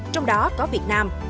trong đó có việt nam